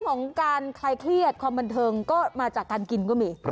ของการคลายเครียดความบันเทิงก็มาจากการกินก็มี